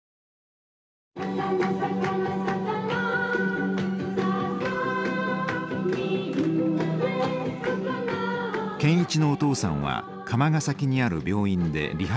健一のお父さんは釜ヶ崎にある病院でリハビリを続けています。